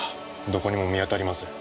どこにも見当たりません。